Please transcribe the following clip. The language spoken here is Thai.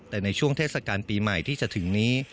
แต่ในช่วงเทศกาลปีใหม่ที่จะถึงนี้